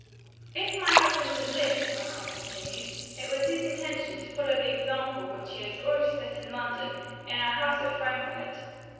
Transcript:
"If my husband had lived," my aunt continued, "it was his intention to follow the example, which he has already set in London, in our house at Frankfort.